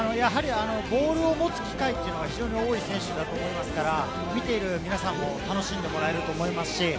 ボールを持つ機会が多い選手ですから、見ている皆さんも楽しんでもらえると思います。